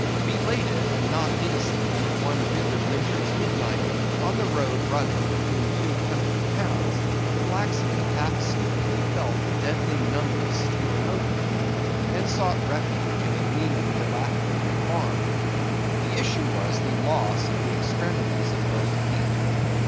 Belated, and not innocently, one bitter winter's midnight, on the road running between two country towns, the blacksmith half stupidly felt the deadly numbness stealing over him, and sought refuge in a leaning, dilapidated barn. The issue was, the loss of the extremities of both feet.